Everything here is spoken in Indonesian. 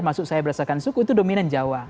maksud saya berdasarkan suku itu dominan jawa